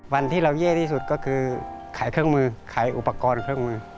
วันที่เราแย่ที่สุดก็คือขายเครื่องมือขายอุปกรณ์เครื่องมือ